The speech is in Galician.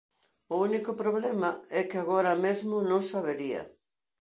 O único problema é que agora mesmo non sabería.